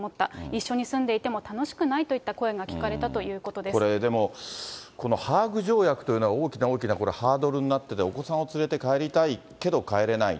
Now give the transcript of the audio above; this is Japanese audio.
一緒に住んでいても楽しくないといった声が聞かれたということでこれ、でも、このハーグ条約というのが大きな大きなハードルになってて、お子さんを連れて帰りたいけど帰れない。